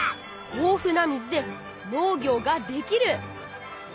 豊富な水で農業ができる！